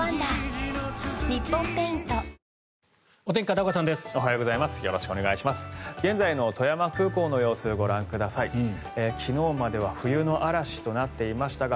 おはようございます。